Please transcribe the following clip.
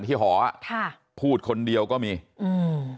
หออ่ะค่ะพูดคนเดียวก็มีอืม